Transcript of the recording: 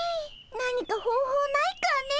何か方法ないかね。